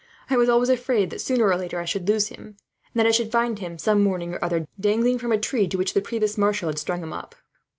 I was always afraid that, sooner or later, I should lose him; and that I should find him, some morning or other, dangling from a tree to which the provost marshal had strung him up."